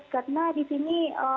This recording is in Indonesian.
karena di sini